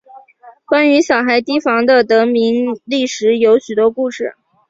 关于小孩堤防的得名历史有许多故事。